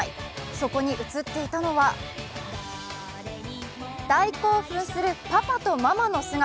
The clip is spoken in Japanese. そこに映っていたのは大興奮するパパとママの姿。